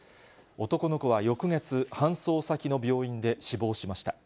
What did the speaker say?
男の子は翌月、搬送先の病院で死亡しました。